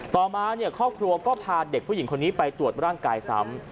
ต่อมาครอบครัวก็พาเด็กผู้หญิงคนนี้ไปตรวจร่างกายซ้ำ